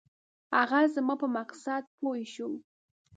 هغه زما په مقصد پوی شو.